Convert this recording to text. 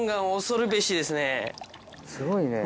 すごいね。